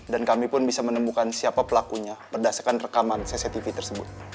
dan kami pun bisa menemukan siapa pelakunya berdasarkan rekaman cctv tersebut